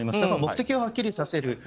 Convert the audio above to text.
だから目的をはっきりさせる。